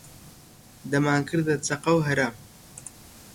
دەمانکردە چەقە و هەرا